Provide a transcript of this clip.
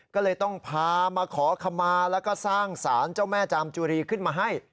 ก็เลยต้องพามาขอขมาแล้วก็สร้างสารเจ้าแม่จามจุรีขึ้นมาให้